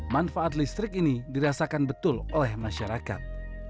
manfaat listrik ini dirasakan betul oleh masyarakat